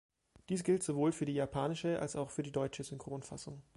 Dies gilt sowohl für die japanische als auch für die deutsche Synchronfassung.